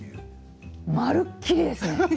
まるっきりですね。